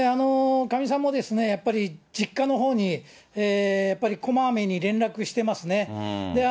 かみさんもやっぱり実家のほうにやっぱりこまめに連絡してますね。